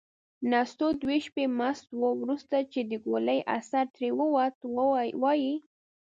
نستوه دوه شپې مست و. وروسته چې د ګولۍ اثر ترې ووت، وايي: